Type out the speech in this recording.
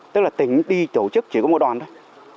tức là tỉnh đi tổ chức chỉ có một đoàn thôi